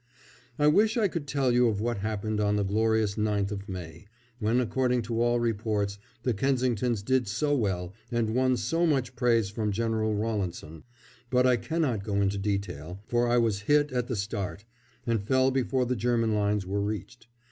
I wish I could tell you of what happened on the glorious Ninth of May, when, according to all reports, the Kensingtons did so well and won so much praise from General Rawlinson; but I cannot go into detail, for I was hit at the start, and fell before the German lines were reached.